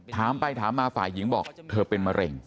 ถามไปถามมาฝ่ายหญิงบอกเธอเป็นมะเร็ง